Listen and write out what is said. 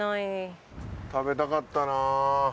食べたかったな。